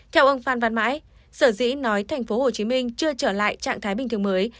theo ông phan văn mãi sở dĩ nói tp hcm chưa trở lại trạng thái bình thường mới